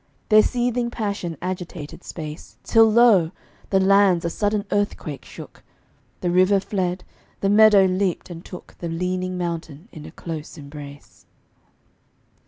Their seething passion agitated space, Till, lo! the lands a sudden earthquake shook, The river fled, the meadow leaped and took The leaning mountain in a close embrace.